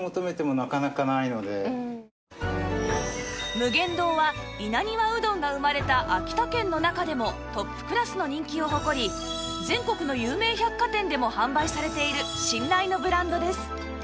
無限堂は稲庭うどんが生まれた秋田県の中でもトップクラスの人気を誇り全国の有名百貨店でも販売されている信頼のブランドです